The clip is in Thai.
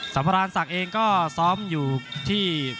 สำราญศักดิ์เองก็ซ้อมอยู่ที่